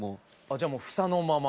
じゃあ房のまま？